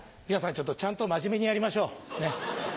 ちょっとちゃんと真面目にやりましょうねっ。